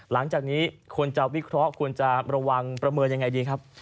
หลังจากนี้ควรจะวิเคราะห์ควรจะระวังประเมินยังไงดีครับ